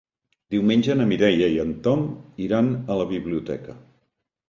Diumenge na Mireia i en Tom iran a la biblioteca.